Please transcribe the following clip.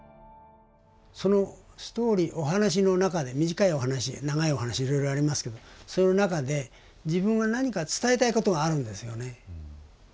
そのストーリーお話の中で短いお話長いお話いろいろありますけどその中で自分が何か伝えたいことがあるんですよね。